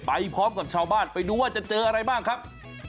ไปพร้อมกับชาวบ้านไปดูว่าจะเจออะไรบ้างครับ